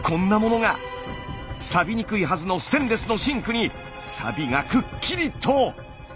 サビにくいはずのステンレスのシンクにサビがくっきりと！